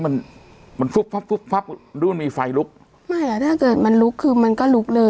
มันมันดูมันมีไฟลุกไม่อะถ้าเกิดมันลุกคือมันก็ลุกเลย